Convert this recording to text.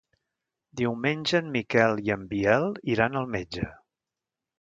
Diumenge en Miquel i en Biel iran al metge.